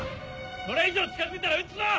それ以上近づいたら撃つぞ！